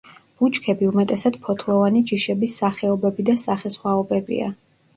ბუჩქები უმეტესად ფოთლოვანი ჯიშების სახეობები და სახესხვაობებია.